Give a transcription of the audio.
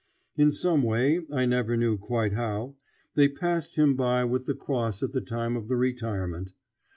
In some way, I never knew quite how, they passed him by with the cross at the time of the retirement.